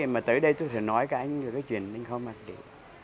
mà tới đây tôi sẽ nói cả anh về cái chuyện đánh kho mạc đế